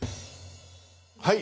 はい。